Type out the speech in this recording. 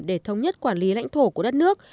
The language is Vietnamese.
để thống nhất quản lý lãnh thổ của đất nước